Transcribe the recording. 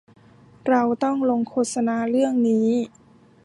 เราต้องลงโฆษณาเรื่องนี้